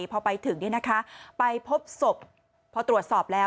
พอไปถึงไปพบศพพอตรวจสอบแล้ว